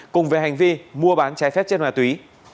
cùng về hành vi mua bán trái phép chất ma túy